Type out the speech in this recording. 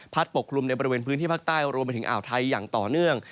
ปกคลุมในบริเวณพื้นที่ภาคใต้รวมไปถึงอ่าวไทยอย่างต่อเนื่อง